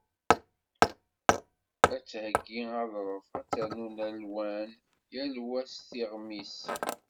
Ad theyyi aḍref, ad ternu lalwan, yal wa s tiɣmi-s.